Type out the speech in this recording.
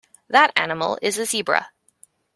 That animal is a Zebra.